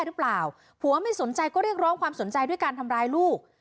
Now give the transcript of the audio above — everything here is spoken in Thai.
หรือเปล่าผัวไม่สนใจก็เรียกร้องความสนใจด้วยการทำร้ายลูก